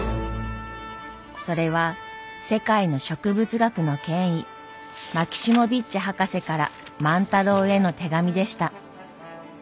それは世界の植物学の権威マキシモヴィッチ博士から万太郎への手紙でした。